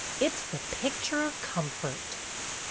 It 's the picture of comfort."